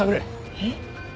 えっ？